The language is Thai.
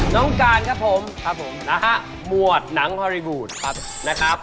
น้องการครับผมนะฮะหมวดหนังฮอรี่บูธนะครับ